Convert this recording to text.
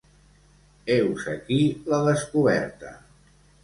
Heus aquí la descoberta.